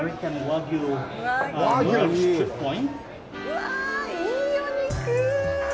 うわぁ、いいお肉！